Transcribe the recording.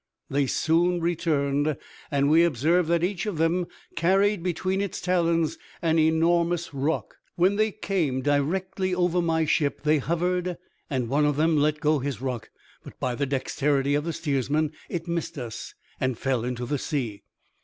They soon returned, and we observed that each of them carried between its talons an enormous rock. When they came directly over my ship, they hovered, and one of them let go his rock; but by the dexterity of the steersman it missed us, and fell into the sea.